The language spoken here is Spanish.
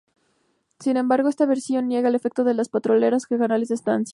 Sin embargo esta versión niega el efecto de las petroleras y canales de estancias.